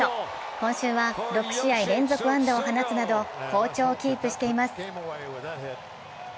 今週は６試合連続安打を放つなど好調をキープしています。